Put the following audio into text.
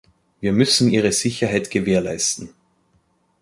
Wir müssen ihre Sicherheit gewährleisten.